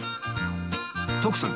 徳さん